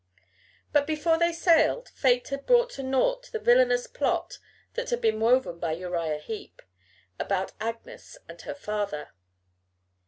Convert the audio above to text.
But before they sailed fate had brought to naught the villainous plot that had been woven by Uriah Heep about Agnes and her father.